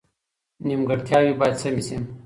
نیمګړتیاوې باید سمې شي.